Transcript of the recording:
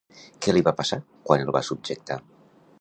Què li va passar quan el va subjectar?